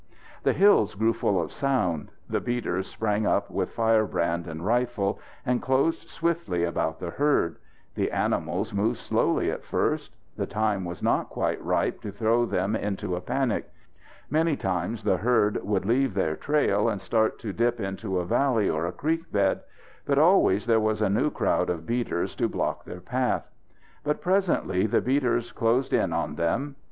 The hills grew full of sound. The beaters sprang up with firebrand and rifle, and closed swiftly about the herd. The animals moved slowly at first. The time was not quite ripe to throw them into a panic. Many times the herd would leave their trail and start to dip into a valley or a creek bed, but always there was a new crowd of beaters to block their path. But presently the beaters closed in on them.